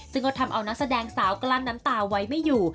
ซึ่งก็ทำเอานักแสดงสาวกลั้นน้ำตาไว้ไม่อยู่